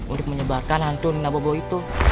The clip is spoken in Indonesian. untuk menyebarkan hantu nina bobo itu